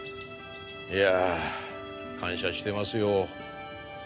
いや感謝してますよ。